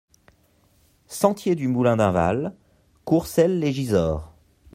Sentier du Moulin d'Inval, Courcelles-lès-Gisors